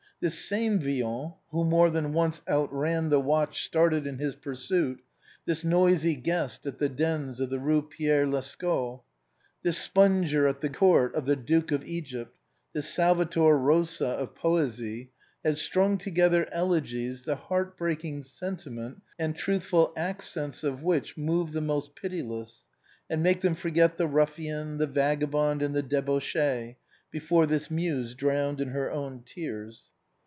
This same Villon, who more than once outran the watch started in his pursuit, this noisy guest at the dens of the Rue Pierre Lescot, this spunger at the court of the Duke of Egypt, this Salvator Rosa of poesy, has strung together elegies the heartbreaking sentiment and truthful accents of which move the most pitiless and make them forget the ruffian, the vagabond and the debauchee, before this muse drowned in her own tears.